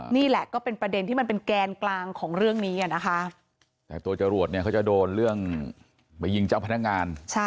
นี่แหละก็เป็นประเด็นที่มันเป็นแกนกลางของเรื่องนี้นะคะแต่ตัวจรวดเนี่ยเขาจะโดนเรื่องไปยิงเจ้าพนักงาน